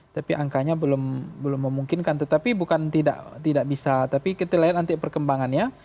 tapi angkanya belum memungkinkan tetapi bukan tidak bisa tapi kita lihat nanti perkembangannya